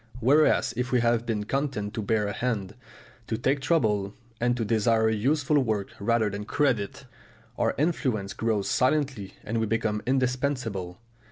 Whereas if we have been content to bear a hand, to take trouble, and to desire useful work rather than credit, our influence grows silently and we become indispensable.